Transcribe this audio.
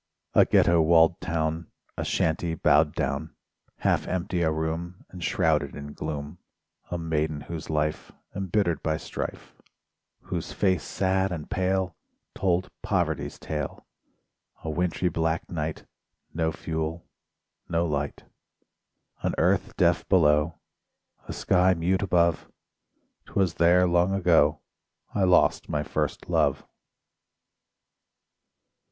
II A ghetto walled town, A shanty bowed down, Half empty a room Enshrouded in gloom, A maiden whose life Embittered by strife [ 9 ] SONGS AND DREAMS Whose face sad and pale Told Poverty's tale, A wintry black night, No fuel, no light,— An earth deaf below, A sky mute above— 'Twas there long ago I lost my first love!